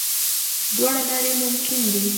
دواړه لارې ممکن دي.